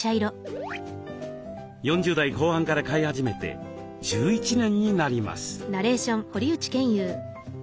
４０代後半から飼い始めて１１年になります。